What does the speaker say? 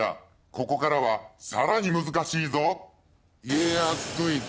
ここからはさらに難しいぞ！